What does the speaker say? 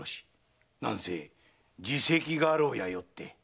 なんせ次席家老やよって。